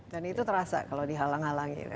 dan itu terasa kalau dihalang halangi